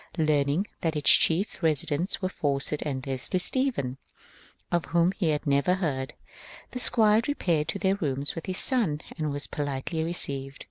Learning that its chief residents were Fawcett and Leslie Stephen, of whom he had never heard, the squire re paired to their rooms with his son and was politely received.